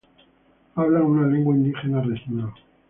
Hablan una lengua indígena regional.